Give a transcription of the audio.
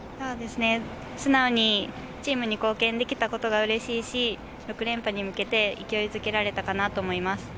素直にチームに貢献できたことが嬉しいし、６連覇に向けて勢いづけられたかなと思います。